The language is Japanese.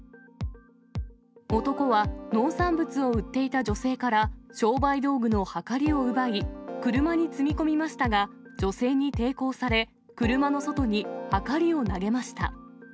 男は農産物を売っていた女性から、商売道具のはかりを奪い、車に積み込みましたが、女性に抵抗され、車の外に、はかりを投げました。